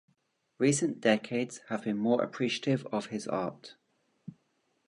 Recent decades have been more appreciative of his art.